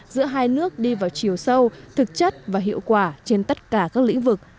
giữa hai nước đi vào chiều sâu thực chất và hiệu quả trên tất cả các lĩnh vực